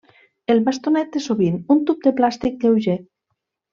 El bastonet és sovint un tub de plàstic lleuger.